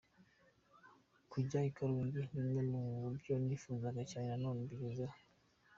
Kujya i Karongi ni bimwe mu byo nifuzaga cyane none mbigezeho.